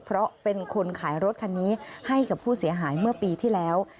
เพราะเป็นคนขายรถคันนี้ให้กับผู้เสียหายเมื่อปีที่แล้ว